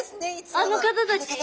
あの方たち？